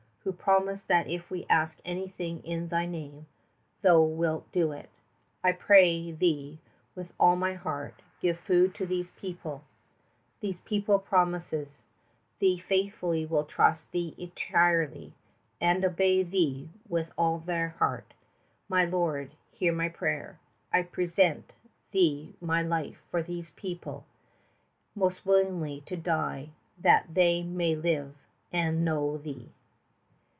who promised that if we ask anything in Thy name, Thou wilt do it I pray Thee with all my heart, give food to these people ... this people promises Thee faithfully they will trust Thee entirely and obey Thee with all their heart! My Lord, hear my prayer! I present Thee my life for this people, most willing to die that they may live and know Thee.